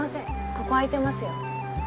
ここ空いてますよ。